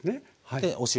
でお塩。